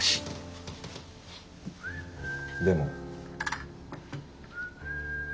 でも？